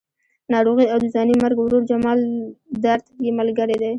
ناروغي او د ځوانې مرګ ورور جمال درد یې ملګري دي.